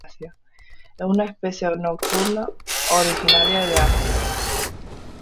Es una especie nocturna, originaria de Asia.